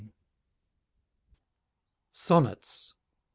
SONNETS I.